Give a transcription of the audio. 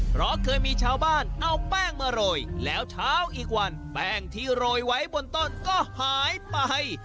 เพราะเคยมีชาวบ้านเอาแป้งมาโรยแล้วเช้าอีกวันแป้งที่โรยไว้บนต้นก็หายไป